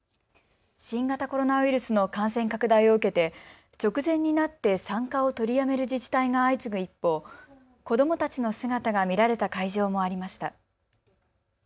新型コロナウイルスの感染拡大を受けて直前になって参加を取りやめる自治体が相次ぐ一方子どもたちの姿が見られた会場もありました。